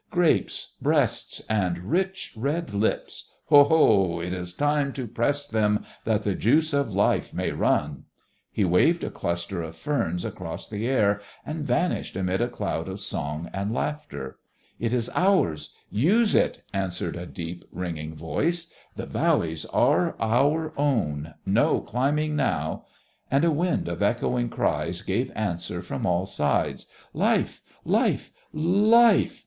Grapes, breasts, and rich red lips! Ho! Ho! It is time to press them that the juice of life may run!" He waved a cluster of ferns across the air and vanished amid a cloud of song and laughter. "It is ours. Use it!" answered a deep, ringing voice. "The valleys are our own. No climbing now!" And a wind of echoing cries gave answer from all sides. "Life! Life! Life!